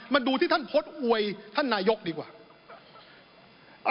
มาดูที่ท่านโพสต์อวยท่านนายกดีกว่า